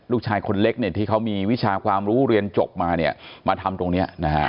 ลูกชายคนเล็กเนี่ยที่เขามีวิชาความรู้เรียนจบมาเนี่ยมาทำตรงนี้นะฮะ